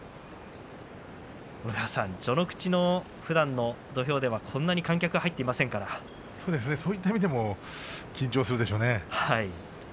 小野川さん、序ノ口のふだんの土俵ではこんなに観客がそうですねそういった意味でも緊張するでしょうね。